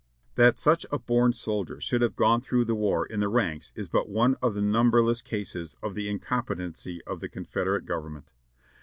That such a born soldier should have gone through the war in the ranks is but one of the numberless cases of the incompetency of the Confederate Government.